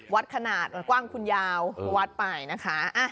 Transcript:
วัดขนาดกว้างคุณยาววัดไปนะคะ